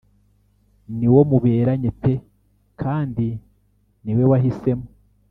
ni wo muberanye pe kandi niwe wahisemo